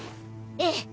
ええ！